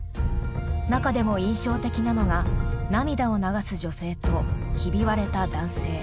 中でも印象的なのが涙を流す女性とひび割れた男性。